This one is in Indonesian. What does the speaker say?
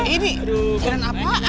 ini jalan apaan ya